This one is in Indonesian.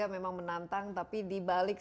memang menantang tapi dibalik